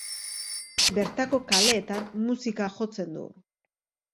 Bertako kaleetan musika jotzen du.